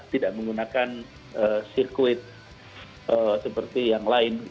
tidak menggunakan sirkuit seperti yang lain